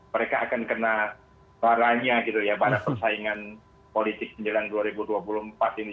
mereka akan kena paranya gitu ya para persaingan politik menjelang dua ribu dua puluh empat ini